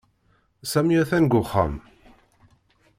Sami atan deg uxxam.